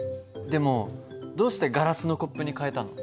でもどうしてガラスのコップに替えたの？